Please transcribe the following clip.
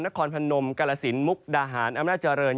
นครพนมกละศิลป์มุกดาหารอำนาจรรย์